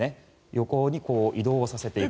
横に移動させていくと。